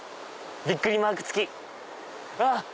びっくりマーク付き！